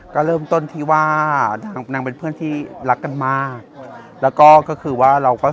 ก็เริ่มต้นที่ว่านางเป็นเพื่อนที่รักกันมากแล้วก็ก็คือว่าเราก็